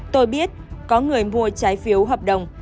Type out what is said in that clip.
tôi biết có người mua trái phiếu hợp đồng